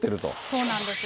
そうなんです。